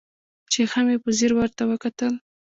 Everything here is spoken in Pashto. چې ښه مې په ځير ورته وکتل.